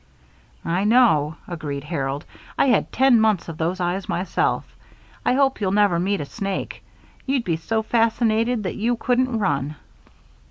"I know," agreed Harold. "I had ten months of those eyes myself. I hope you'll never meet a snake. You'd be so fascinated that you couldn't run."